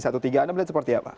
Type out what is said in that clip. anda melihat seperti apa